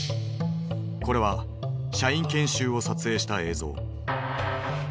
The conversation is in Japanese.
これは社員研修を撮影した映像。